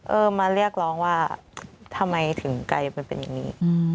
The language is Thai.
เออมาเรียกร้องว่าทำไมถึงไกลไปเป็นอย่างนี้